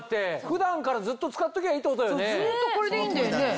そうずっとこれでいいんだよね。